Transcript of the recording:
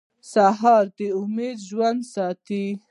سهار د امید ژوندی ساتي.